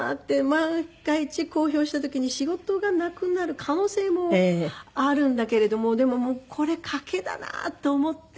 万が一公表した時に仕事がなくなる可能性もあるんだけれどもでもこれ賭けだなと思って。